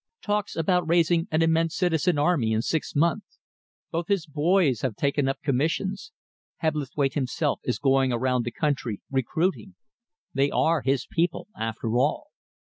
Talks about raising an immense citizen army in six months. Both his boys have taken up commissions. Hebblethwaite himself is going around the country, recruiting. They are his people, after all.